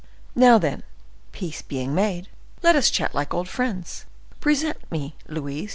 Now, then, peace being made, let us chat like old friends. Present me, Louise, to M.